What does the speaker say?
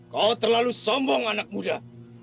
kau terlalu sombong anak muda